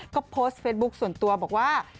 ก็โพสต์เฟซบุ๊คส่วนตัวบอกว่า